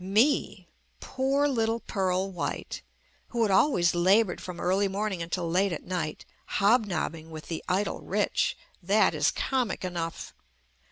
Me — poor little Pearl White — who had always labored from early JUST ME morning until late at night, hobnobbing with the idle rich — that is comic enough.